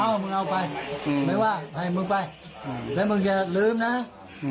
มึงเอาไปอืมไม่ว่าให้มึงไปแล้วมึงอย่าลืมนะอืม